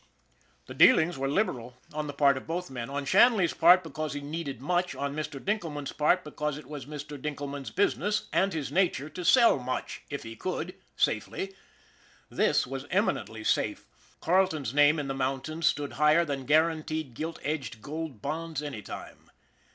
The dealings were liberal on the part of both men. On Shanley's part because he needed much; on Mr. Dinkelman's part because it was Mr. Dinkelman's business, and his nature, to sell much if he could > safely. This was eminently safe. Carleton's name in the mountains stood higher than guaranteed, gilt edged gold bonds any time.